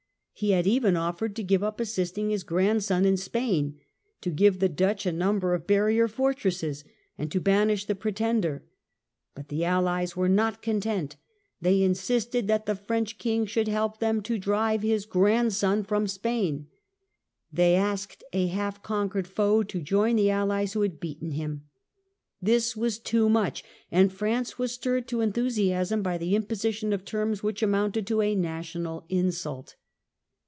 He had even offered to give up assisting his grandson in Spain, to give the Dutch a number of barrier fortresses, and to banish the Pretender. But the AlHes were not content: they insisted that the French king should help them to drive his grandson from Spain. They asked a half conquered foe to join the Allies who had beaten him. This was too much; and France was stirred to enthusiasm by the imposition of terms which amounted to a national insult.